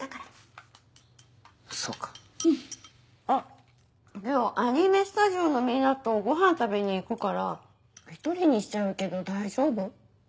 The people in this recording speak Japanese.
あっ今日アニメスタジオのみんなとごはん食べに行くから１人にしちゃうけど大丈夫？